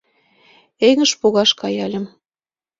Эҥыж погаш каяльым.